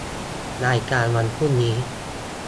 รายการวันพรุ่งนี้